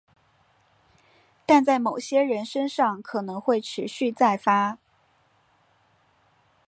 但在某些人身上可能会持续再发。